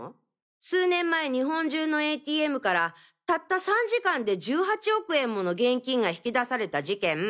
数年前日本中のＡＴＭからたった３時間で１８億円もの現金が引き出された事件。